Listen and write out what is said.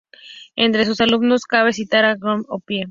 Entre sus alumnos cabe citar a John Opie.